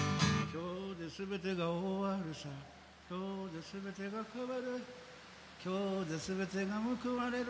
「今日ですべてが終るさ今日ですべてが変わる」「今日ですべてがむくわれる」